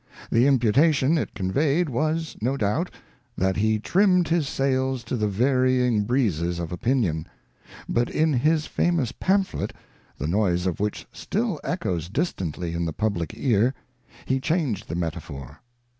The imputation it conveyed was, no doubt, that he trimmed his sails to the varying breezes of opinion ; but in his famous pamphlet, the noise of which still echoes distantly in the public ear, he changed the metaphor.